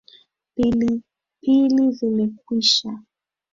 Pilipili zimekwisha.